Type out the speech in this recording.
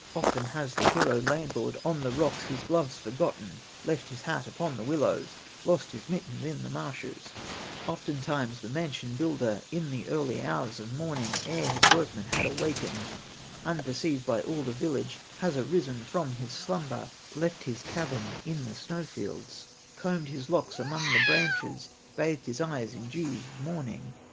Often has the hero landlord On the rocks his gloves forgotten, Left his hat upon the willows, Lost his mittens in the marshes; Oftentimes the mansion builder, In the early hours of morning, Ere his workmen had awakened, Unperceived by all the village, Has arisen from his slumber, Left his cabin the snow fields, Combed his locks among the branches, Bathed his eyes in dews of morning.